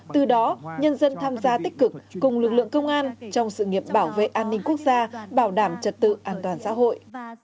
từ đó nhân dân tham gia tích cực cùng lực lượng công an trong sự nghiệp bảo vệ an ninh quốc gia bảo đảm trật tự an toàn xã hội